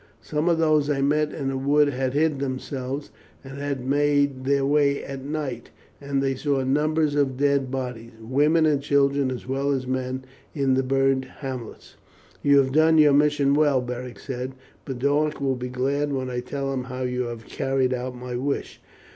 Some of those I met in the wood had hid themselves, and had made their way at night, and they saw numbers of dead bodies, women and children as well as men, in the burned hamlets." "You have done your mission well," Beric said. "Boduoc will be glad when I tell him how you have carried out my wish.